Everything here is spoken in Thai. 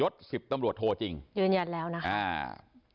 ๑๐ตำรวจโทรจริงยืนยันแล้วนะครับ